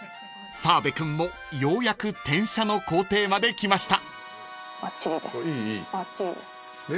［澤部君もようやく転写の工程まで来ました］で？